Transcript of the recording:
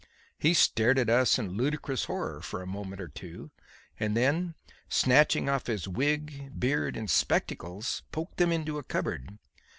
He stared at us in ludicrous horror for a moment or two, and then, snatching off his wig, beard and spectacles, poked them into a cupboard.